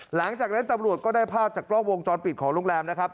หลังจากนั้นตำรวจก็ได้ภาพจากกล้องวงจรปิดของโรงแรมนะครับ